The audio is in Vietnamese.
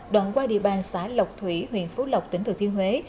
đoạn qua địa bàn xã lộc thủy huyện phú lộc tỉnh thừa thiên huế